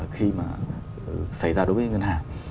khi mà xảy ra đối với ngân hàng